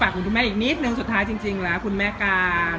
คุณแม่อีกนิดนึงสุดท้ายจริงแล้วคุณแม่การ